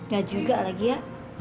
gak juga lagi ya